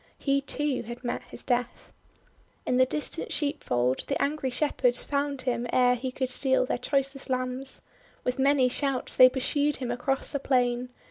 He, too, had met his death. In the distant sheepfold the angry Shepherds found him ere he could steal their choicest lambs. With many shouts they pursued him across the plain.